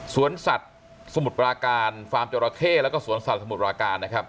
สวนสัตว์สมุทรปราการฟาร์มจราเข้แล้วก็สวนสัตว์สมุทรปราการนะครับ